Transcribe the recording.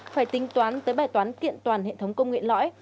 phải tính toán tới bài toán kiện toàn hệ thống công nghệ lõi